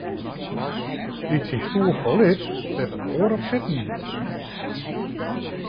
Dy't syn stoel ferlit, dêr't in oar op sitten giet.